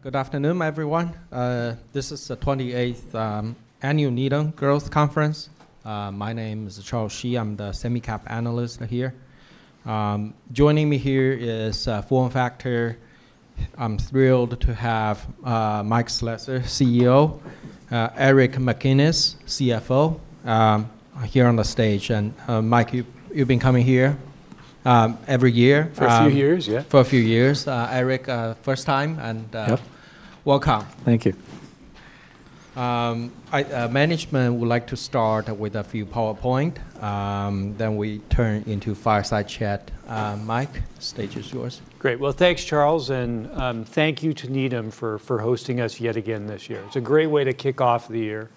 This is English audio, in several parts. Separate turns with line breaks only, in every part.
Good afternoon, everyone. This is the 28th Annual Needham Growth Conference. My name is Charles Shi. I'm the Semicap analyst here. Joining me here is FormFactor. I'm thrilled to have Mike Slessor, CEO, Eric McInnis, CFO, here on the stage. And Mike, you've been coming here every year.
For a few years, yeah.
For a few years. Aric, first time and welcome.
Thank you.
Management would like to start with a few PowerPoint. Then we turn into fireside chat. Mike, stage is yours.
Great. Well, thanks, Charles, and thank you to Needham for hosting us yet again this year. It's a great way to kick off the year,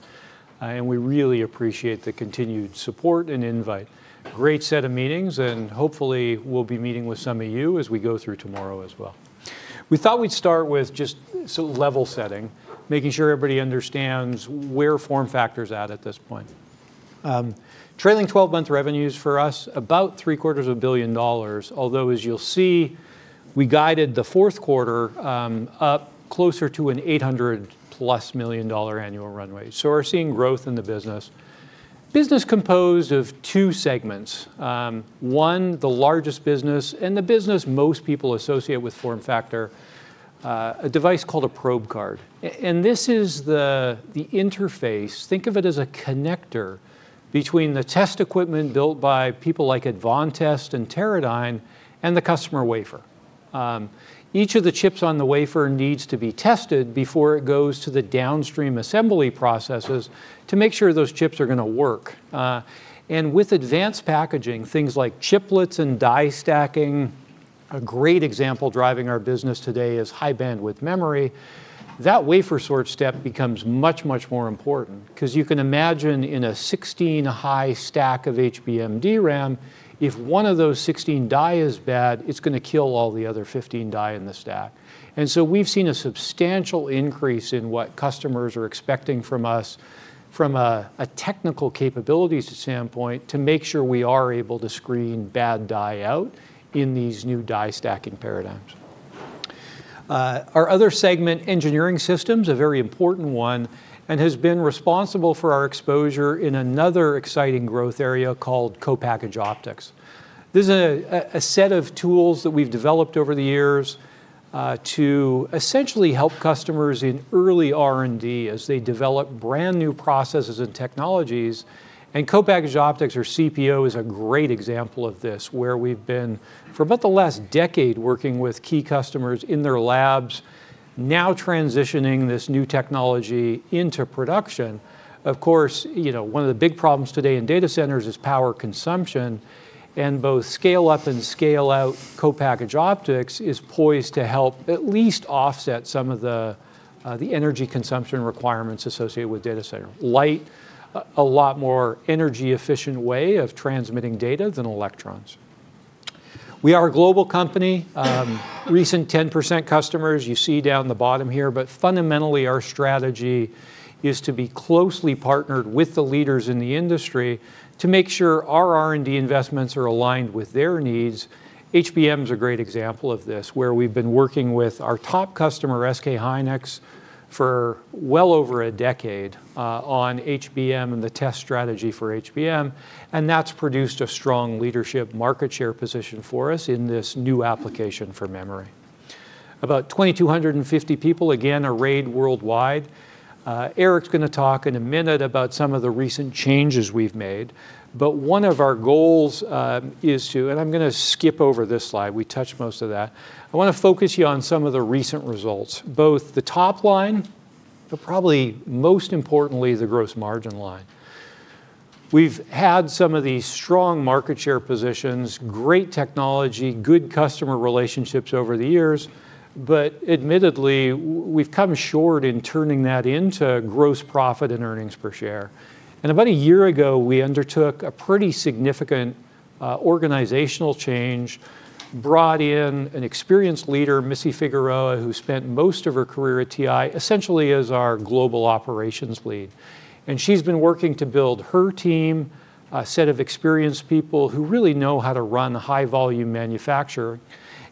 and we really appreciate the continued support and invite. Great set of meetings, and hopefully, we'll be meeting with some of you as we go through tomorrow as well. We thought we'd start with just some level setting, making sure everybody understands where FormFactor's at this point. Trailing 12-month revenues for us about $750 million, although, as you'll see, we guided the fourth quarter up closer to an $800-plus million annual runway, so we're seeing growth in the business. Business composed of two segments: one, the largest business, and the business most people associate with FormFactor, a device called a probe card, and this is the interface. Think of it as a connector between the test equipment built by people like Advantest and Teradyne and the customer wafer. Each of the chips on the wafer needs to be tested before it goes to the downstream assembly processes to make sure those chips are going to work. And with advanced packaging, things like chiplets and die stacking, a great example driving our business today is high bandwidth memory. That wafer sort step becomes much, much more important. Because you can imagine, in a 16-high stack of HBM DRAM, if one of those 16 die is bad, it's going to kill all the other 15 die in the stack. And so we've seen a substantial increase in what customers are expecting from us, from a technical capabilities standpoint, to make sure we are able to screen bad die out in these new die stacking paradigms. Our other segment, engineering systems, a very important one, and has been responsible for our exposure in another exciting growth area called co-packaged optics. This is a set of tools that we've developed over the years to essentially help customers in early R&D as they develop brand new processes and technologies. And co-packaged optics, or CPO, is a great example of this, where we've been, for about the last decade, working with key customers in their labs, now transitioning this new technology into production. Of course, one of the big problems today in data centers is power consumption. And both scale-up and scale-out co-packaged optics is poised to help at least offset some of the energy consumption requirements associated with data centers. Light, a lot more energy-efficient way of transmitting data than electrons. We are a global company. Recent 10% customers you see down the bottom here. But fundamentally, our strategy is to be closely partnered with the leaders in the industry to make sure our R&D investments are aligned with their needs. HBM is a great example of this, where we've been working with our top customer, SK Hynix, for well over a decade on HBM and the test strategy for HBM. And that's produced a strong leadership market share position for us in this new application for memory. About 2,250 people, again, arrayed worldwide. Aric's going to talk in a minute about some of the recent changes we've made. But one of our goals is to, and I'm going to skip over this slide. We touched most of that. I want to focus you on some of the recent results, both the top line, but probably most importantly, the gross margin line. We've had some of these strong market share positions, great technology, good customer relationships over the years, but admittedly, we've come short in turning that into gross profit and earnings per share, and about a year ago, we undertook a pretty significant organizational change, brought in an experienced leader, Missy Stigall, who spent most of her career at TI, essentially as our global operations lead, and she's been working to build her team, a set of experienced people who really know how to run high-volume manufacturing,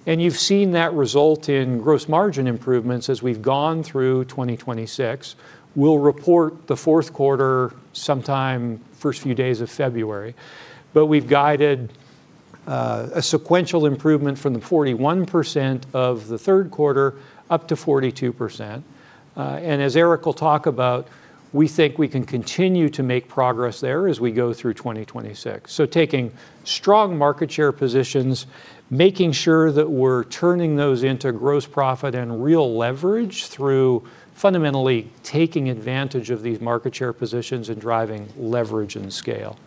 and you've seen that result in gross margin improvements as we've gone through 2026. We'll report the fourth quarter sometime first few days of February, but we've guided a sequential improvement from the 41% of the third quarter up to 42%, and as Aric will talk about, we think we can continue to make progress there as we go through 2026. So taking strong market share positions, making sure that we're turning those into gross profit and real leverage through fundamentally taking advantage of these market share positions and driving leverage and scale.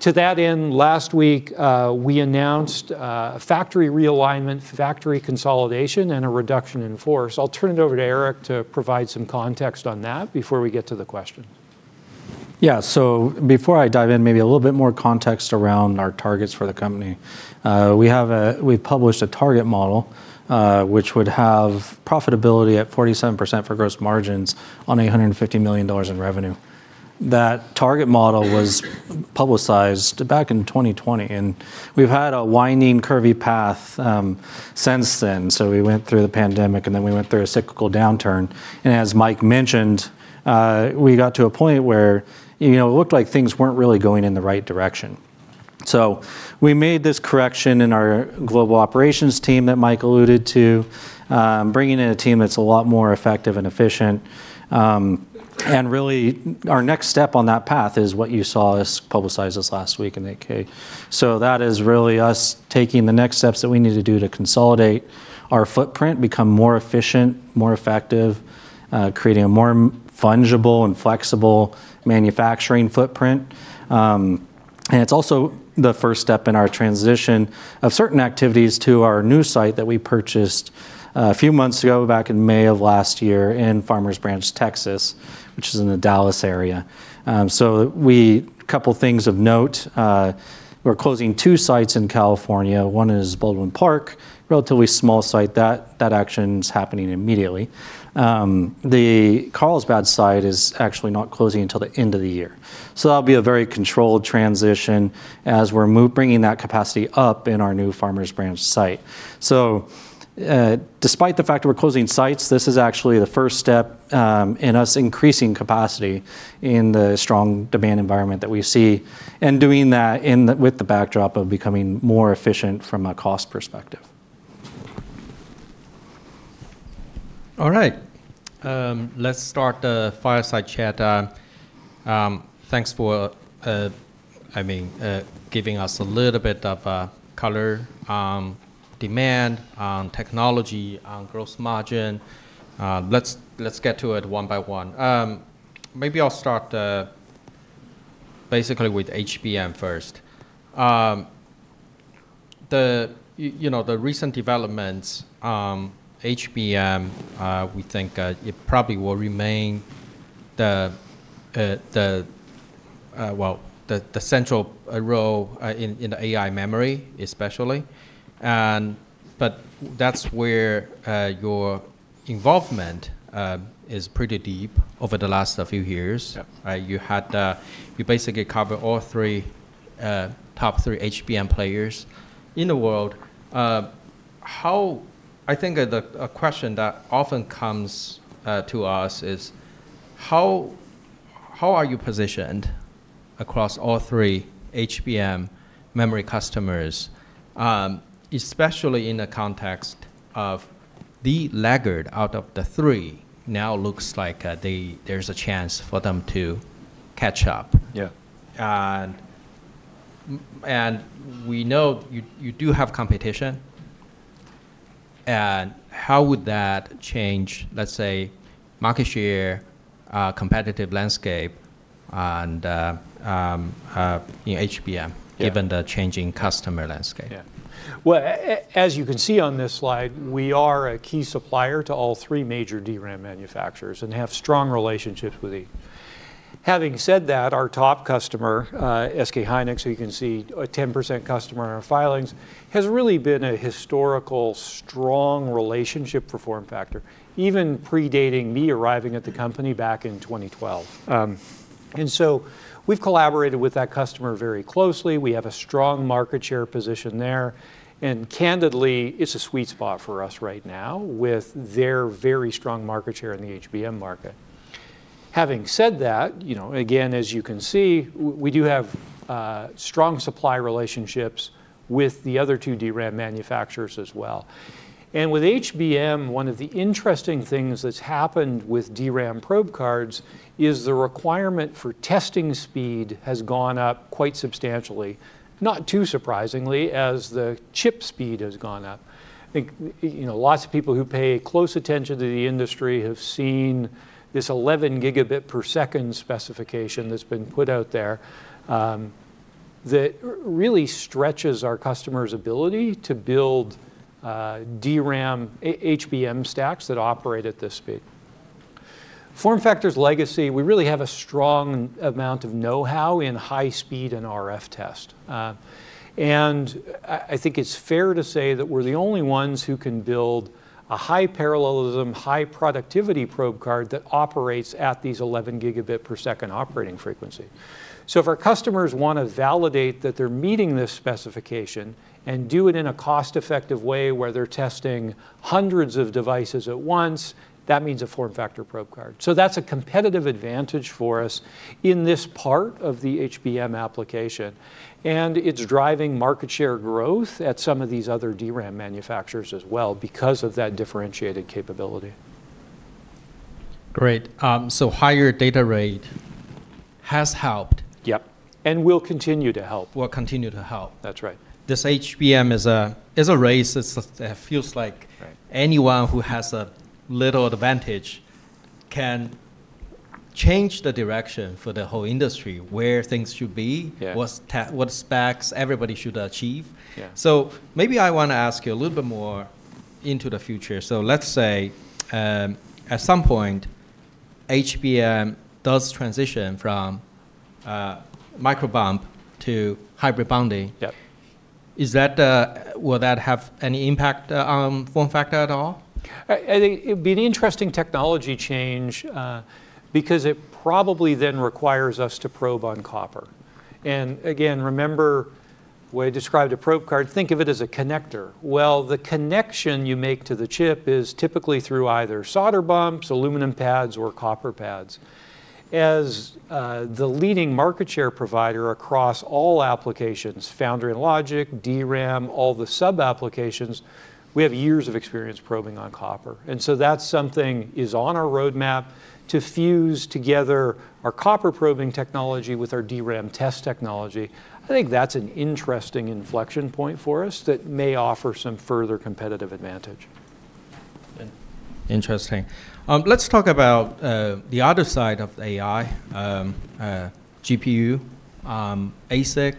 To that end, last week, we announced factory realignment, factory consolidation, and a reduction in force. I'll turn it over to Aric to provide some context on that before we get to the question.
Yeah, so before I dive in, maybe a little bit more context around our targets for the company. We've published a target model, which would have profitability at 47% for gross margins on $150 million in revenue. That target model was publicized back in 2020, and we've had a winding, curvy path since then. We went through the pandemic, and then we went through a cyclical downturn, and as Mike mentioned, we got to a point where it looked like things weren't really going in the right direction, so we made this correction in our global operations team that Mike alluded to, bringing in a team that's a lot more effective and efficient, and really, our next step on that path is what you saw us publicize this last week in 8-K. That is really us taking the next steps that we need to do to consolidate our footprint, become more efficient, more effective, creating a more fungible and flexible manufacturing footprint. And it's also the first step in our transition of certain activities to our new site that we purchased a few months ago, back in May of last year, in Farmers Branch, Texas, which is in the Dallas area. So a couple of things of note. We're closing two sites in California. One is Baldwin Park, a relatively small site. That action is happening immediately. The Carlsbad site is actually not closing until the end of the year. So that'll be a very controlled transition as we're bringing that capacity up in our new Farmers Branch site. Despite the fact that we're closing sites, this is actually the first step in us increasing capacity in the strong demand environment that we see, and doing that with the backdrop of becoming more efficient from a cost perspective.
All right. Let's start the fireside chat. Thanks for, I mean, giving us a little bit of color on demand, on technology, on gross margin. Let's get to it one by one. Maybe I'll start basically with HBM first. The recent developments, HBM, we think it probably will remain the, well, the central role in the AI memory, especially. But that's where your involvement is pretty deep over the last few years. You basically cover all three top three HBM players in the world. I think a question that often comes to us is, how are you positioned across all three HBM memory customers, especially in the context of the laggard out of the three? Now it looks like there's a chance for them to catch up.
Yeah.
And we know you do have competition. And how would that change, let's say, market share, competitive landscape in HBM, given the changing customer landscape?
Yeah. Well, as you can see on this slide, we are a key supplier to all three major DRAM manufacturers and have strong relationships with them. Having said that, our top customer, SK Hynix, who you can see a 10% customer in our filings, has really been a historical strong relationship for FormFactor, even predating me arriving at the company back in 2012. And so we've collaborated with that customer very closely. We have a strong market share position there. And candidly, it's a sweet spot for us right now with their very strong market share in the HBM market. Having said that, again, as you can see, we do have strong supply relationships with the other two DRAM manufacturers as well. With HBM, one of the interesting things that's happened with DRAM probe cards is the requirement for testing speed has gone up quite substantially, not too surprisingly, as the chip speed has gone up. I think lots of people who pay close attention to the industry have seen this 11 gigabit per second specification that's been put out there that really stretches our customer's ability to build DRAM HBM stacks that operate at this speed. FormFactor's legacy. We really have a strong amount of know-how in high speed and RF test. I think it's fair to say that we're the only ones who can build a high parallelism, high productivity probe card that operates at these 11 gigabit per second operating frequency. So if our customers want to validate that they're meeting this specification and do it in a cost-effective way where they're testing hundreds of devices at once, that means a FormFactor probe card. So that's a competitive advantage for us in this part of the HBM application. And it's driving market share growth at some of these other DRAM manufacturers as well because of that differentiated capability.
Great. So higher data rate has helped.
Yep. And will continue to help.
Will continue to help.
That's right.
This HBM is a race. It feels like anyone who has a little advantage can change the direction for the whole industry, where things should be, what specs everybody should achieve. So maybe I want to ask you a little bit more into the future. So let's say, at some point, HBM does transition from microbump to hybrid bonding.
Yep.
Will that have any impact on FormFactor at all?
It'd be an interesting technology change because it probably then requires us to probe on copper. Again, remember, when I described a probe card, think of it as a connector. The connection you make to the chip is typically through either solder bumps, aluminum pads, or copper pads. As the leading market share provider across all applications, foundry and logic, DRAM, all the sub-applications, we have years of experience probing on copper. So that's something that is on our roadmap to fuse together our copper probing technology with our DRAM test technology. I think that's an interesting inflection point for us that may offer some further competitive advantage.
Interesting. Let's talk about the other side of AI, GPU, ASIC.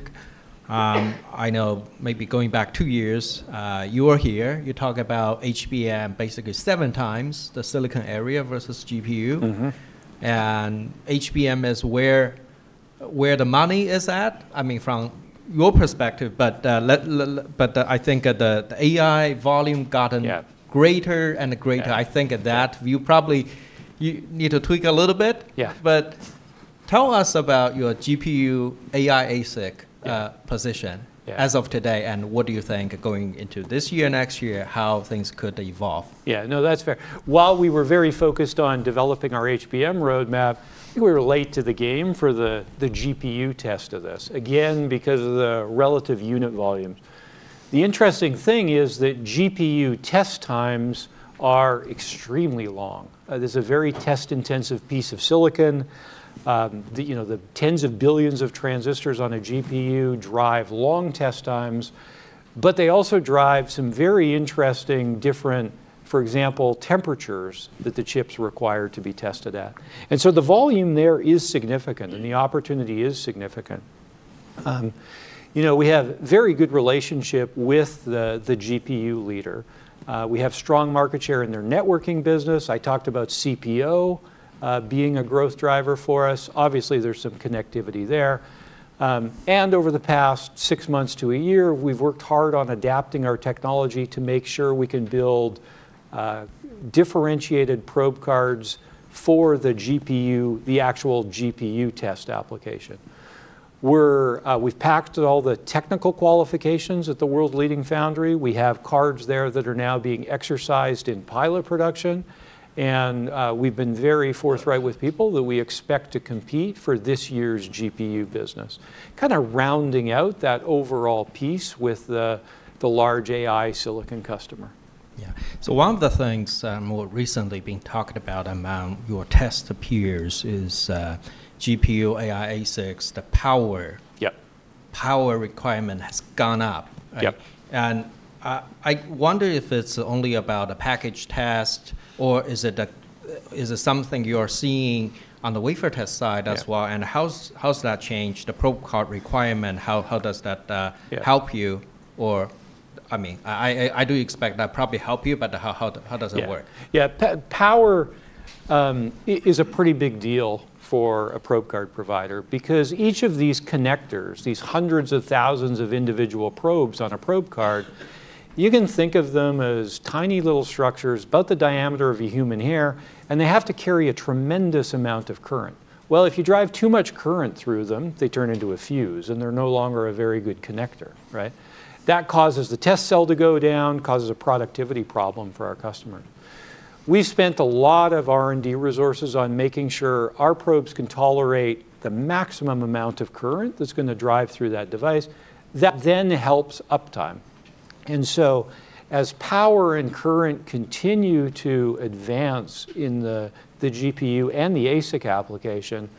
I know maybe going back two years, you were here. You talk about HBM, basically seven times the silicon area versus GPU. And HBM is where the money is at, I mean, from your perspective. But I think the AI volume gotten greater and greater. I think at that, you probably need to tweak a little bit.
Yeah.
But tell us about your GPU AI ASIC position as of today, and what do you think going into this year, next year, how things could evolve?
Yeah. No, that's fair. While we were very focused on developing our HBM roadmap, I think we were late to the game for the GPU test of this, again, because of the relative unit volumes. The interesting thing is that GPU test times are extremely long. This is a very test-intensive piece of silicon. The tens of billions of transistors on a GPU drive long test times, but they also drive some very interesting different, for example, temperatures that the chips require to be tested at, and so the volume there is significant, and the opportunity is significant. We have a very good relationship with the GPU leader. We have strong market share in their networking business. I talked about CPO being a growth driver for us. Obviously, there's some connectivity there. Over the past six months to a year, we've worked hard on adapting our technology to make sure we can build differentiated probe cards for the GPU, the actual GPU test application. We've packed all the technical qualifications at the world-leading foundry. We have cards there that are now being exercised in pilot production. We've been very forthright with people that we expect to compete for this year's GPU business, kind of rounding out that overall piece with the large AI silicon customer.
Yeah. So one of the things more recently being talked about among your test peers is GPU AI ASICs. The power requirement has gone up.
Yep.
And I wonder if it's only about a package test, or is it something you are seeing on the wafer test side as well? And how's that changed, the probe card requirement? How does that help you? Or, I mean, I do expect that probably help you, but how does it work?
Yeah. Yeah. Power is a pretty big deal for a probe card provider because each of these connectors, these hundreds of thousands of individual probes on a probe card, you can think of them as tiny little structures, about the diameter of a human hair, and they have to carry a tremendous amount of current. Well, if you drive too much current through them, they turn into a fuse, and they're no longer a very good connector, right? That causes the test cell to go down, causes a productivity problem for our customer. We've spent a lot of R&D resources on making sure our probes can tolerate the maximum amount of current that's going to drive through that device. That then helps uptime. And so as power and current continue to advance in the GPU and the ASIC application,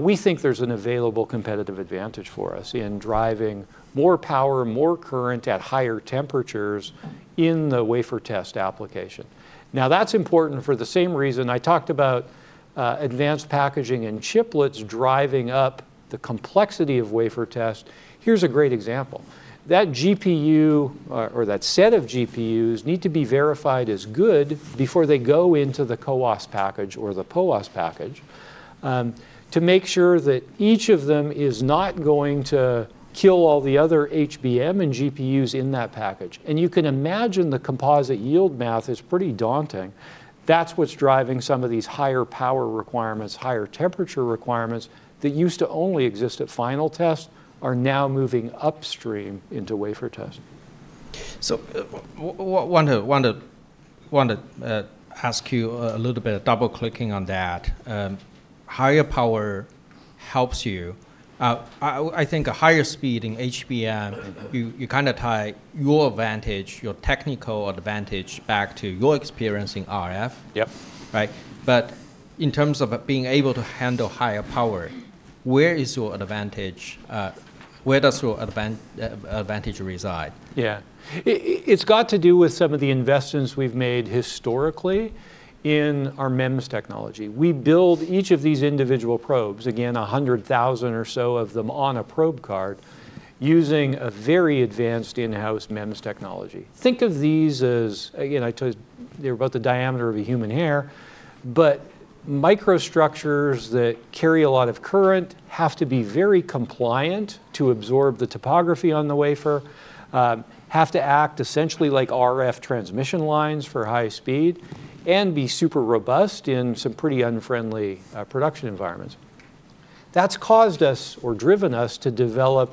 we think there's an available competitive advantage for us in driving more power, more current at higher temperatures in the wafer test application. Now, that's important for the same reason I talked about advanced packaging and chiplets driving up the complexity of wafer test. Here's a great example. That GPU, or that set of GPUs, need to be verified as good before they go into the CoWoS package or the CoWoS package to make sure that each of them is not going to kill all the other HBM and GPUs in that package. And you can imagine the composite yield math is pretty daunting. That's what's driving some of these higher power requirements, higher temperature requirements that used to only exist at final tests are now moving upstream into wafer test.
So I want to ask you a little bit of double-clicking on that. Higher power helps you. I think a higher speed in HBM, you kind of tie your advantage, your technical advantage, back to your experience in RF.
Yep.
Right? But in terms of being able to handle higher power, where is your advantage? Where does your advantage reside?
Yeah. It's got to do with some of the investments we've made historically in our MEMS technology. We build each of these individual probes, again, 100,000 or so of them on a probe card, using a very advanced in-house MEMS technology. Think of these as, again, they're about the diameter of a human hair. But microstructures that carry a lot of current have to be very compliant to absorb the topography on the wafer, have to act essentially like RF transmission lines for high speed, and be super robust in some pretty unfriendly production environments. That's caused us, or driven us, to develop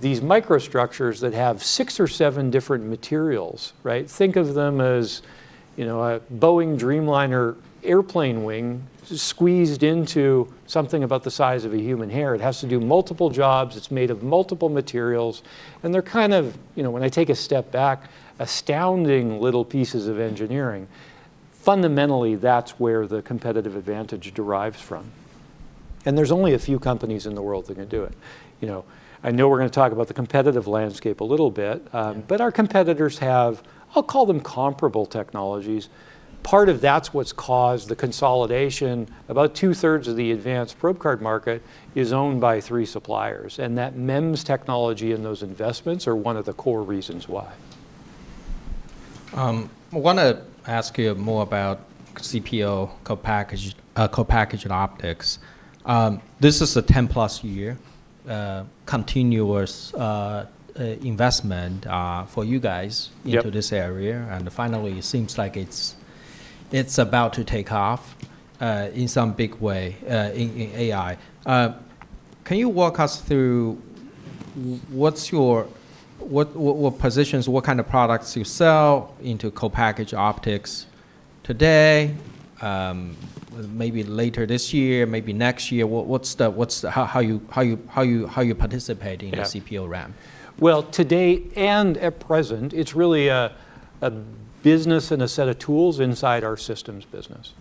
these microstructures that have six or seven different materials, right? Think of them as a Boeing Dreamliner airplane wing squeezed into something about the size of a human hair. It has to do multiple jobs. It's made of multiple materials. And they're kind of, when I take a step back, astounding little pieces of engineering. Fundamentally, that's where the competitive advantage derives from. And there's only a few companies in the world that can do it. I know we're going to talk about the competitive landscape a little bit. But our competitors have, I'll call them comparable technologies. Part of that's what's caused the consolidation. About two-thirds of the advanced probe card market is owned by three suppliers. And that MEMS technology and those investments are one of the core reasons why.
I want to ask you more about CPO, co-packaged optics. This is a 10-plus-year continuous investment for you guys into this area, and finally, it seems like it's about to take off in some big way in AI. Can you walk us through what positions, what kind of products you sell into co-packaged optics today, maybe later this year, maybe next year? How are you participating in CPO RAM?
Today and at present, it's really a business and a set of tools inside our systems business,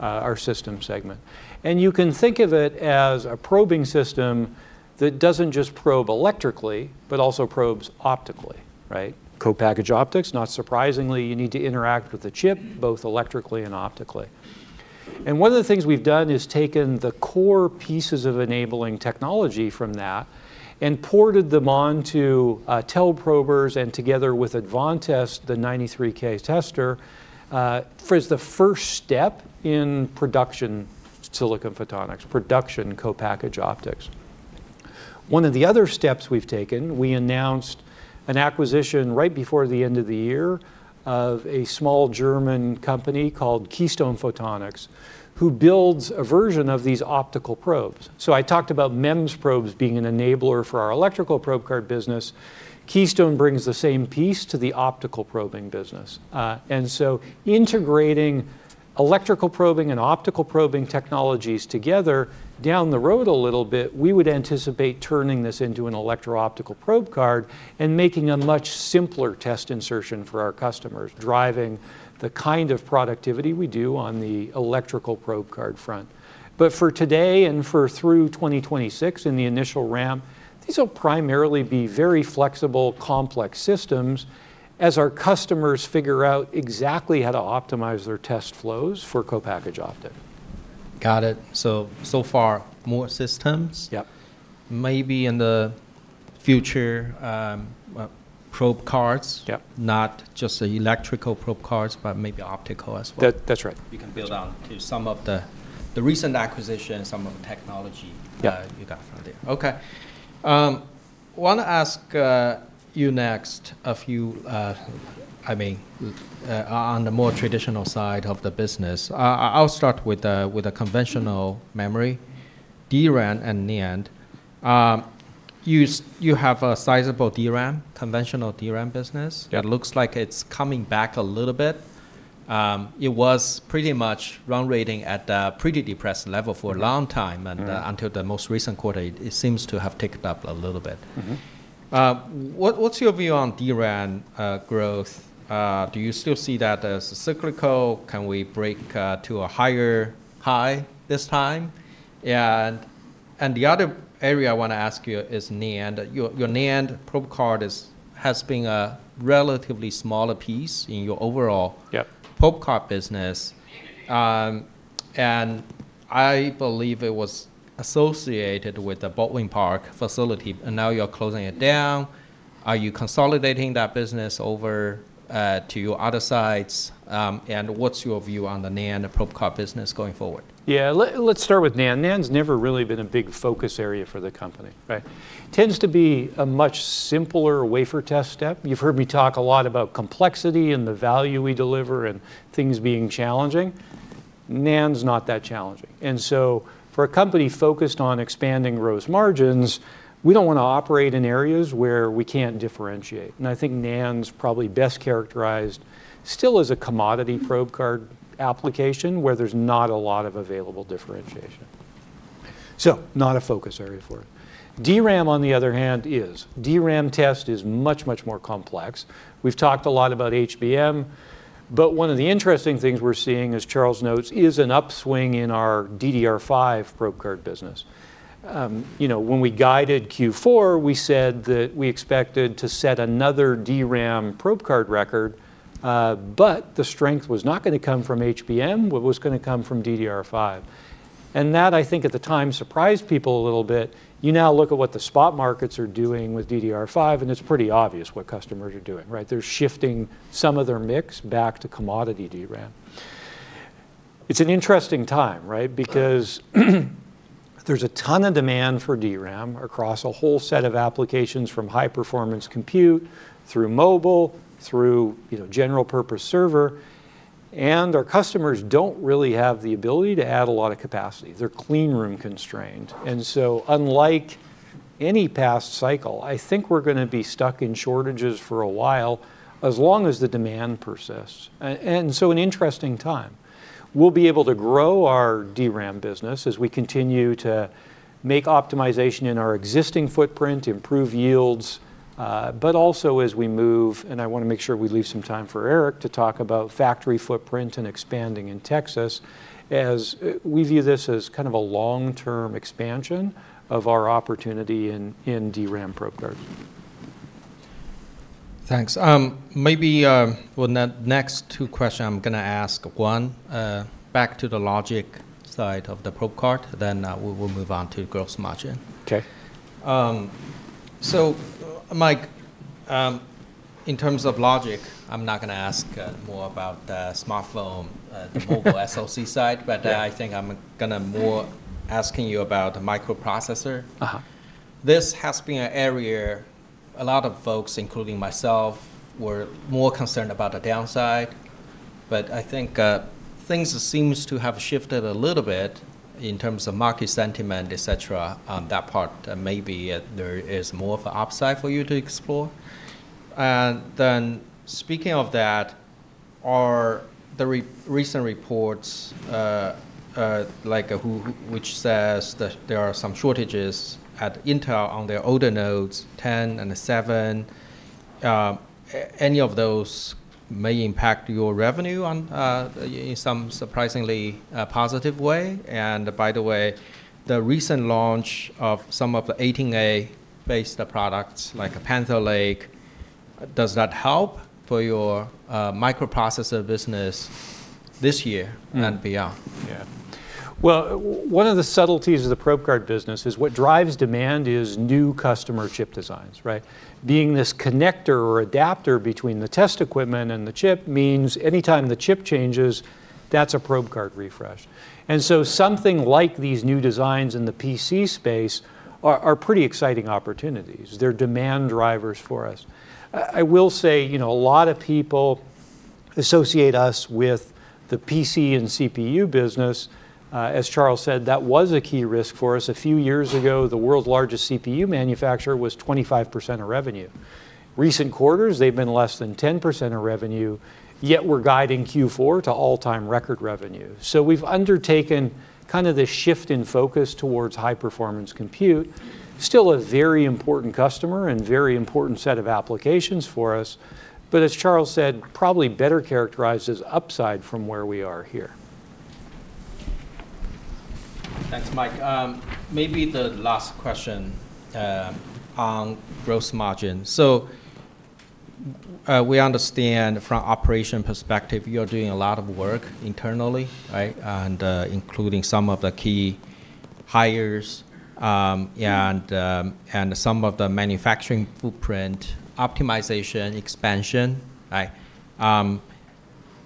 our system segment. And you can think of it as a probing system that doesn't just probe electrically, but also probes optically, right? Co-Packaged Optics, not surprisingly, you need to interact with the chip both electrically and optically. And one of the things we've done is taken the core pieces of enabling technology from that and ported them onto TEG probers. And together with Advantest, the 93K tester, is the first step in production silicon photonics, production Co-Packaged Optics. One of the other steps we've taken, we announced an acquisition right before the end of the year of a small German company called Keystone Photonics, who builds a version of these optical probes. So I talked about MEMS probes being an enabler for our electrical probe card business. Keystone brings the same piece to the optical probing business, and so integrating electrical probing and optical probing technologies together down the road a little bit, we would anticipate turning this into an electro-optical probe card and making a much simpler test insertion for our customers, driving the kind of productivity we do on the electrical probe card front, but for today and for through 2026 in the initial ramp, these will primarily be very flexible, complex systems as our customers figure out exactly how to optimize their test flows for Co-Packaged Optics.
Got it. So far, more systems.
Yep.
Maybe in the future, probe cards, not just the electrical probe cards, but maybe optical as well.
That's right.
You can build on to some of the recent acquisitions, some of the technology you got from there.
Yeah.
Okay. I want to ask you next, I mean, on the more traditional side of the business. I'll start with conventional memory, DRAM and NAND. You have a sizable DRAM, conventional DRAM business.
Yeah.
It looks like it's coming back a little bit. It was pretty much run rate at a pretty depressed level for a long time. And until the most recent quarter, it seems to have ticked up a little bit. What's your view on DRAM growth? Do you still see that as cyclical? Can we break to a higher high this time? And the other area I want to ask you is NAND. Your NAND probe card has been a relatively smaller piece in your overall probe card business. And I believe it was associated with the Baldwin Park facility. And now you're closing it down. Are you consolidating that business over to your other sites? And what's your view on the NAND probe card business going forward?
Yeah. Let's start with NAND. NAND's never really been a big focus area for the company, right? Tends to be a much simpler wafer test step. You've heard me talk a lot about complexity and the value we deliver and things being challenging. NAND's not that challenging. And so for a company focused on expanding gross margins, we don't want to operate in areas where we can't differentiate. And I think NAND's probably best characterized still as a commodity probe card application where there's not a lot of available differentiation. So not a focus area for it. DRAM, on the other hand, is. DRAM test is much, much more complex. We've talked a lot about HBM. But one of the interesting things we're seeing, as Charles notes, is an upswing in our DDR5 probe card business. When we guided Q4, we said that we expected to set another DRAM probe card record. But the strength was not going to come from HBM. It was going to come from DDR5. And that, I think at the time, surprised people a little bit. You now look at what the spot markets are doing with DDR5, and it's pretty obvious what customers are doing, right? They're shifting some of their mix back to commodity DRAM. It's an interesting time, right? Because there's a ton of demand for DRAM across a whole set of applications from high-performance compute through mobile, through general-purpose server. And our customers don't really have the ability to add a lot of capacity. They're clean room constrained. And so unlike any past cycle, I think we're going to be stuck in shortages for a while as long as the demand persists. And so an interesting time. We'll be able to grow our DRAM business as we continue to make optimization in our existing footprint, improve yields, but also as we move, and I want to make sure we leave some time for Aric to talk about factory footprint and expanding in Texas as we view this as kind of a long-term expansion of our opportunity in DRAM probe cards.
Thanks. Maybe the next two questions I'm going to ask, one, back to the logic side of the probe card, then we'll move on to gross margin.
Okay.
So, Mike, in terms of logic, I'm not going to ask more about the smartphone, the mobile SoC side. But I think I'm going to more asking you about the microprocessor. This has been an area a lot of folks, including myself, were more concerned about the downside. But I think things seem to have shifted a little bit in terms of market sentiment, et cetera, on that part. Maybe there is more of an upside for you to explore. And then, speaking of that, the recent reports, which says that there are some shortages at Intel on their older nodes, 10 and 7. Any of those may impact your revenue in some surprisingly positive way? And by the way, the recent launch of some of the 18A-based products, like Panther Lake, does that help for your microprocessor business this year and beyond?
Yeah. Well, one of the subtleties of the probe card business is what drives demand is new customer chip designs, right? Being this connector or adapter between the test equipment and the chip means anytime the chip changes, that's a probe card refresh. And so something like these new designs in the PC space are pretty exciting opportunities. They're demand drivers for us. I will say a lot of people associate us with the PC and CPU business. As Charles said, that was a key risk for us. A few years ago, the world's largest CPU manufacturer was 25% of revenue. Recent quarters, they've been less than 10% of revenue. Yet we're guiding Q4 to all-time record revenue. So we've undertaken kind of this shift in focus towards high-performance compute. Still a very important customer and very important set of applications for us. But as Charles said, probably better characterized as upside from where we are here.
Thanks, Mike. Maybe the last question on gross margin. So we understand from an operation perspective, you're doing a lot of work internally, right? And including some of the key hires and some of the manufacturing footprint optimization expansion, right?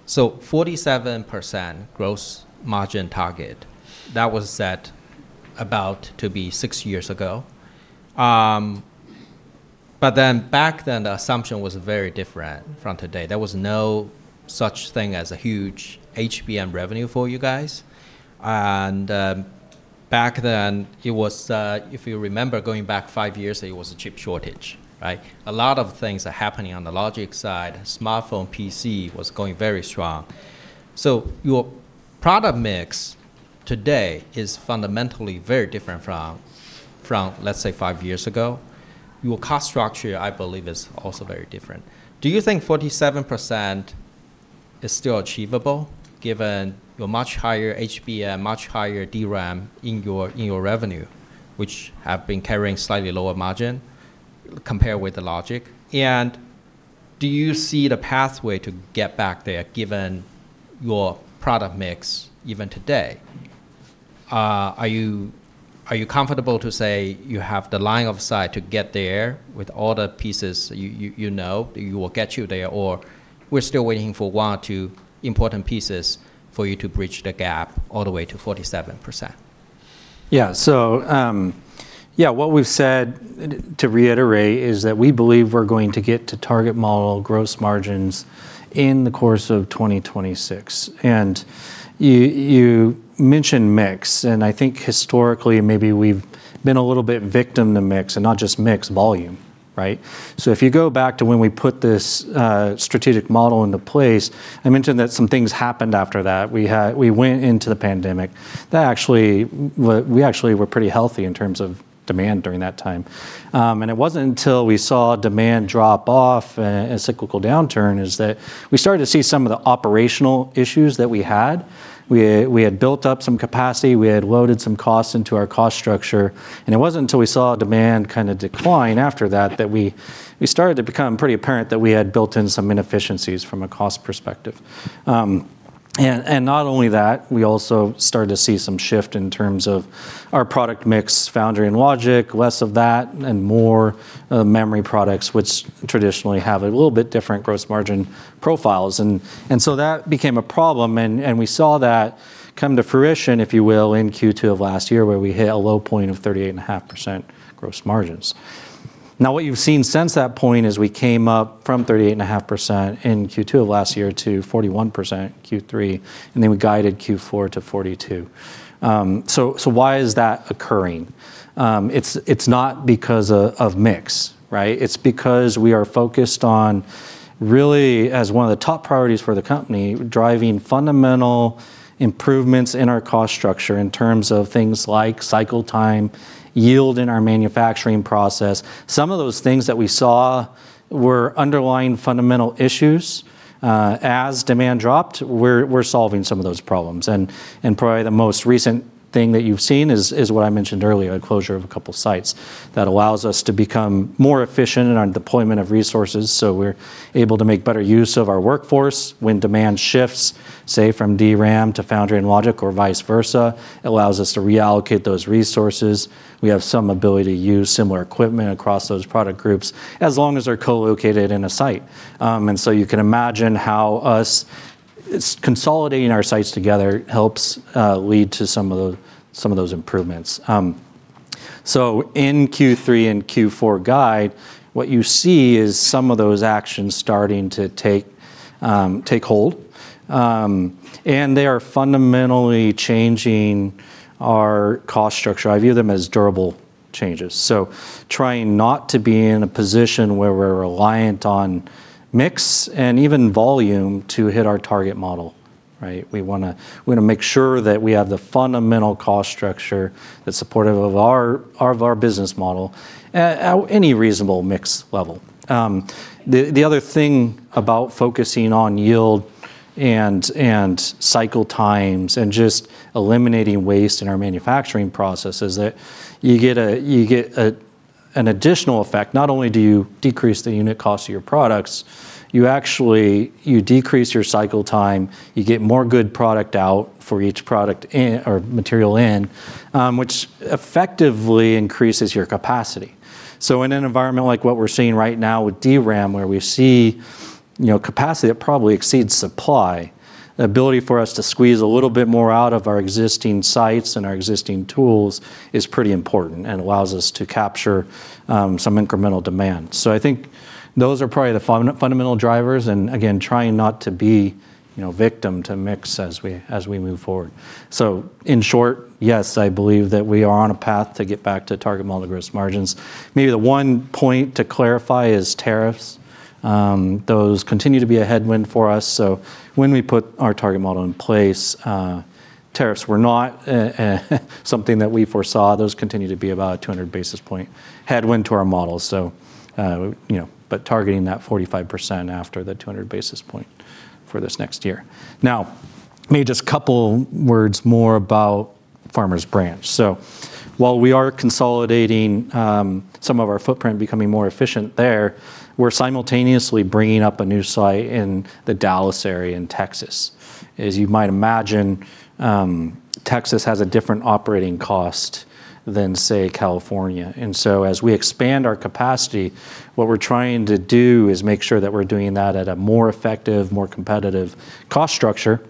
So 47% gross margin target, that was set about to be six years ago. But then back then, the assumption was very different from today. There was no such thing as a huge HBM revenue for you guys. And back then, it was, if you remember, going back five years, it was a chip shortage, right? A lot of things are happening on the logic side. Smartphone, PC was going very strong. So your product mix today is fundamentally very different from, let's say, five years ago. Your cost structure, I believe, is also very different. Do you think 47% is still achievable given your much higher HBM, much higher DRAM in your revenue, which have been carrying slightly lower margin compared with the logic? And do you see the pathway to get back there given your product mix even today? Are you comfortable to say you have the line of sight to get there with all the pieces you know that will get you there? Or we're still waiting for one or two important pieces for you to bridge the gap all the way to 47%?
Yeah, so yeah, what we've said, to reiterate, is that we believe we're going to get to target model gross margins in the course of 2026, and you mentioned mix, and I think historically, maybe we've been a little bit victim to mix and not just mix, volume, right, so if you go back to when we put this strategic model into place, I mentioned that some things happened after that, we went into the pandemic, we actually were pretty healthy in terms of demand during that time, and it wasn't until we saw demand drop off and a cyclical downturn that we started to see some of the operational issues that we had, we had built up some capacity, we had loaded some costs into our cost structure. It wasn't until we saw demand kind of decline after that that we started to become pretty apparent that we had built in some inefficiencies from a cost perspective. And not only that, we also started to see some shift in terms of our product mix, foundry and logic, less of that, and more memory products, which traditionally have a little bit different gross margin profiles. And so that became a problem. And we saw that come to fruition, if you will, in Q2 of last year, where we hit a low point of 38.5% gross margins. Now, what you've seen since that point is we came up from 38.5% in Q2 of last year to 41% Q3. And then we guided Q4 to 42%. So why is that occurring? It's not because of mix, right? It's because we are focused on really, as one of the top priorities for the company, driving fundamental improvements in our cost structure in terms of things like cycle time, yield in our manufacturing process. Some of those things that we saw were underlying fundamental issues. As demand dropped, we're solving some of those problems, and probably the most recent thing that you've seen is what I mentioned earlier, a closure of a couple of sites that allows us to become more efficient in our deployment of resources, so we're able to make better use of our workforce when demand shifts, say, from DRAM to Foundry and Logic or vice versa. It allows us to reallocate those resources. We have some ability to use similar equipment across those product groups as long as they're co-located in a site. And so you can imagine how us consolidating our sites together helps lead to some of those improvements. So in Q3 and Q4 guidance, what you see is some of those actions starting to take hold. And they are fundamentally changing our cost structure. I view them as durable changes. So trying not to be in a position where we're reliant on mix and even volume to hit our target model, right? We want to make sure that we have the fundamental cost structure that's supportive of our business model at any reasonable mix level. The other thing about focusing on yield and cycle times and just eliminating waste in our manufacturing process is that you get an additional effect. Not only do you decrease the unit cost of your products, you actually decrease your cycle time. You get more good product out for each product or material in, which effectively increases your capacity. So in an environment like what we're seeing right now with DRAM, where we see capacity that probably exceeds supply, the ability for us to squeeze a little bit more out of our existing sites and our existing tools is pretty important and allows us to capture some incremental demand. So I think those are probably the fundamental drivers, and again, trying not to be victim to mix as we move forward, so in short, yes, I believe that we are on a path to get back to target model gross margins. Maybe the one point to clarify is tariffs. Those continue to be a headwind for us, so when we put our target model in place, tariffs were not something that we foresaw. Those continue to be about a 200 basis points headwind to our model. But targeting that 45% after the 200 basis points for this next year. Now, maybe just a couple words more about Farmers Branch. So while we are consolidating some of our footprint, becoming more efficient there, we're simultaneously bringing up a new site in the Dallas area in Texas. As you might imagine, Texas has a different operating cost than, say, California. And so as we expand our capacity, what we're trying to do is make sure that we're doing that at a more effective, more competitive cost structure.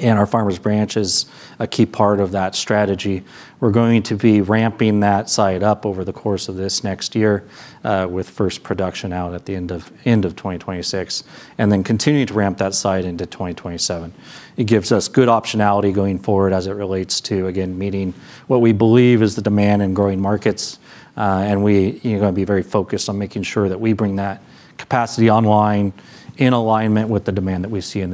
And our Farmers Branch is a key part of that strategy. We're going to be ramping that site up over the course of this next year with first production out at the end of 2026 and then continue to ramp that site into 2027. It gives us good optionality going forward as it relates to, again, meeting what we believe is the demand in growing markets, and we are going to be very focused on making sure that we bring that capacity online in alignment with the demand that we see.